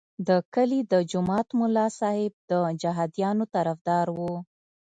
د کلي د جومات ملا صاحب د جهادیانو طرفدار وو.